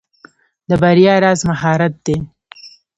د بریا راز مهارت دی.